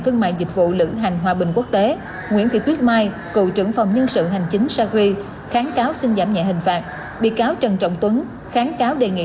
cương mại dịch vụ lự hành hòa bình quốc tế nguyễn thị tuyết mai cựu trưởng phòng nhân sự hành chính sacri